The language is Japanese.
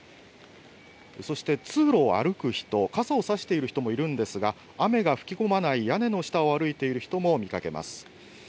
そして通路を歩く人、傘を差している人もいるんですが雨が吹き込まない屋根の下を歩いている人も見かけます。